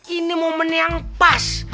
ini momen yang pas